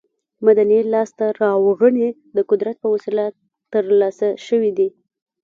مدني لاسته راوړنې د قدرت په وسیله تر لاسه شوې دي.